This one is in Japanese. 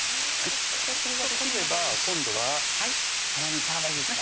じゃあそれができれば今度は玉ねぎですね